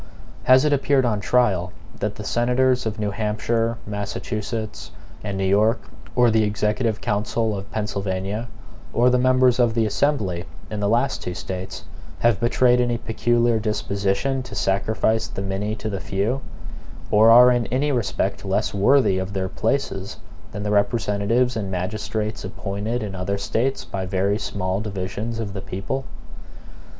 Has it appeared on trial that the senators of New Hampshire, Massachusetts, and New York, or the executive council of Pennsylvania, or the members of the Assembly in the two last States, have betrayed any peculiar disposition to sacrifice the many to the few, or are in any respect less worthy of their places than the representatives and magistrates appointed in other States by very small divisions of the people?